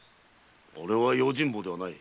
おれは用心棒ではない。